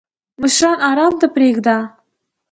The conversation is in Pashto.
مشران آرام پریږده!